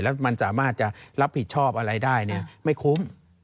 แล้วมันสามารถจะรับผิดชอบอะไรได้ไม่คุ้ม